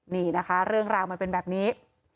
นี่นะคะเรื่องราวมันเป็นแบบนี้